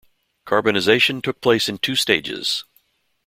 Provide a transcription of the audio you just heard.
Carbonisation took place in two stages.